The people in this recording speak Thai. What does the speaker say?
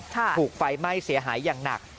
ถูกไฟไหม้เสียหายอย่างหนัก